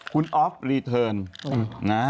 คุณออฟรีเทิร์นนะ